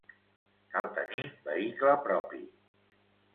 Cal tenir vehicle propi.